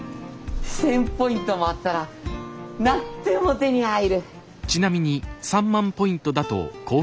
１，０００ポイントもあったら何でも手に入る。